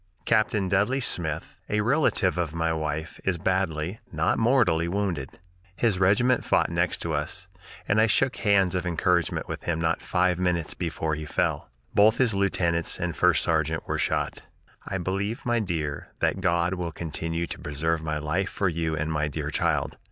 "Captain Dudley Smith [a relative of my wife] is badly (not mortally) wounded. His regiment fought next to us, and I shook hands of encouragement with him not five minutes before he fell. Both his lieutenants and first sergeant were shot. "I believe, my dear, that God will continue to preserve my life for you and my dear child.